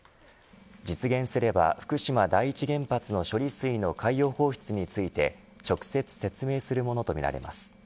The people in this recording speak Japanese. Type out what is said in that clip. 実現すれば福島第一原発の処理水の海洋放出について直接説明するものとみられます。